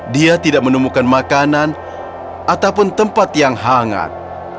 dia tidak menemukan makanan ataupun tempat yang hangat